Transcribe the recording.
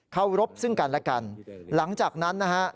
เคารพซึ่งกันและกันหลังจากนั้นนะฮะ